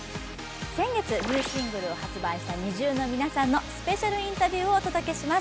先月、ニューシングルを発売したＮｉｚｉＵの皆さんのスペシャルインタビューをお届けします。